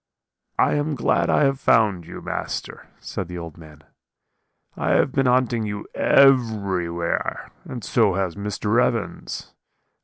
"'I am glad I have found you, Master,' said the old man; 'I have been hunting you everywhere; and so has Mr. Evans.